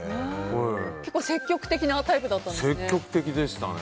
結構積極的なタイプだったんですね。